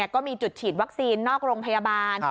ก็มีจุดฉีดวัคซีนนอกโรงพยาบาล